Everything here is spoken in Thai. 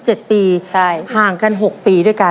แล้ววันนี้ผมมีสิ่งหนึ่งนะครับเป็นตัวแทนกำลังใจจากผมเล็กน้อยครับ